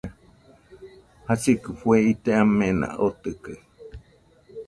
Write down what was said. Jasikɨ fue ite amena oitɨkaɨ